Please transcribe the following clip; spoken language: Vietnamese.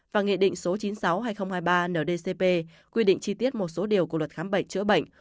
và nghị định số chín mươi sáu hai nghìn hai mươi ba ndcp quy định chi tiết một số điều của luật khám bệnh chữa bệnh